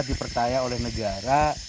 dipercaya oleh negara